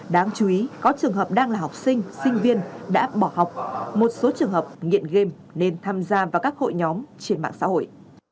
đáng chú ý có trường hợp đang là học sinh sinh viên đã bỏ học một số trường hợp nghiện game nên tham gia vào các hội nhóm trên mạng xã hội